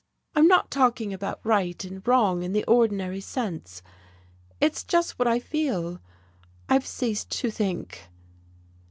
I'm not talking about right and wrong in the ordinary sense it's just what I feel. I've ceased to think."